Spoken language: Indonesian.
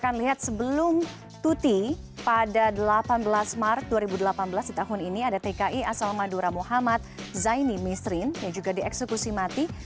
kita akan lihat sebelum tuti pada delapan belas maret dua ribu delapan belas di tahun ini ada tki asal madura muhammad zaini misrin yang juga dieksekusi mati